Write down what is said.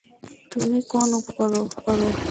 তুমি কোন উপায় চিন্তা কর।